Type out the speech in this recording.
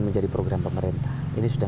menjadi program pemerintah ini sudah